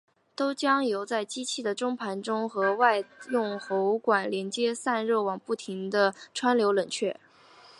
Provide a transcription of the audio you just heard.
都是将油在机器的中盘里和在外部用喉管连接的散热网不停地穿流冷却。